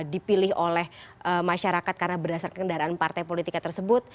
dipilih oleh masyarakat karena berdasarkan kendaraan partai politika tersebut